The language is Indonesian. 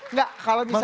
enggak kalau misalnya